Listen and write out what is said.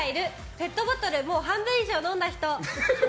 ペットボトルもう半分以上飲んだ人。